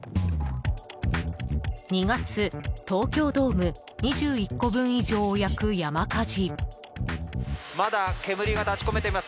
２月、東京ドーム２１個分以上を焼く山火事。